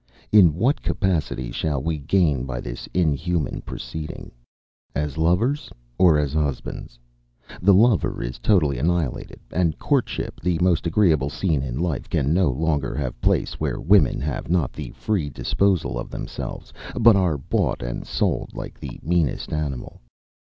In what capacity shall we gain by this inhuman proceeding? As lovers, or as husbands? The lover is totally annihilated; and courtship, the most agreeable scene in life, can no longer have place where women have not the free disposal of themselves, but are bought and sold like the meanest animal.